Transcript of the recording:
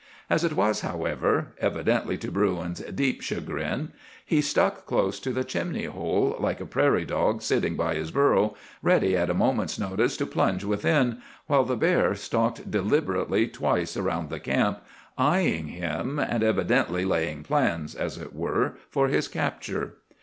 As it was, however,—evidently to Bruin's deep chagrin,—he stuck close to the chimney hole, like a prairie dog sitting by his burrow, ready at a moment's notice to plunge within, while the bear stalked deliberately twice around the camp, eying him, and evidently laying plans, as it were, for his capture.